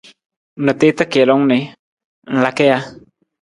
Na tiita kiilung ni, ng laka ja?